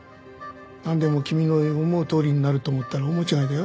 なんでも君の思うとおりになると思ったら大間違いだよ。